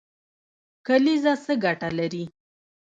کلیزه څه ګټه لري؟